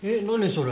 それ。